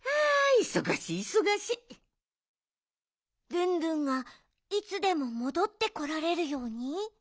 ルンルンがいつでももどってこられるように？